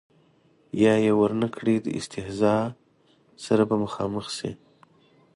یا یې ور نه کړي د استیضاح سره به مخامخ شي.